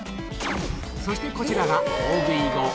そして、こちらが大食い後。